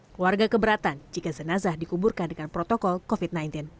keluarga keberatan jika jenazah dikuburkan dengan protokol covid sembilan belas